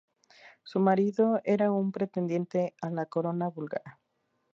Su marido era un pretendiente a la corona búlgara.